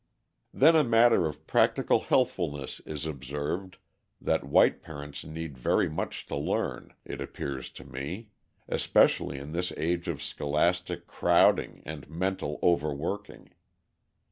Then a matter of practical healthfulness is observed that white parents need very much to learn, it appears to me, especially in this age of scholastic crowding and mental overworking.